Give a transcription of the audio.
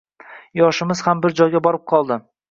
yoshimiz ham bir joyga borib qoldi